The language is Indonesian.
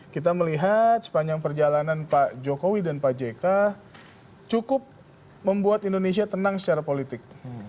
kita melihat sepanjang perjalanan pak jokowi dan pak jk cukup membuat indonesia tenang secara politik